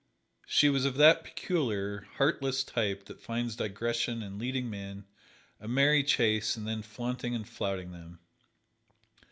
She was of that peculiar, heartless type that finds digression in leading men a merry chase and then flaunting and flouting them.